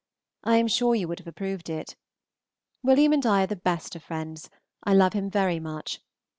I am sure you would have approved it. Wm. and I are the best of friends. I love him very much.